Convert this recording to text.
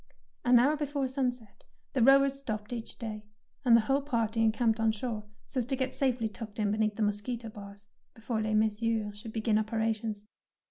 An hour before sunset the rowers stopped each day, and the whole party encamped on shore, so as to get safely tucked in beneath the mosquito bars before les Messieurs '' should begin operations.